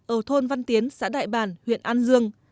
ở thôn văn tiến xã đại bản huyện an dương